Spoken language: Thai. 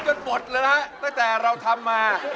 เล็ก๕ครับ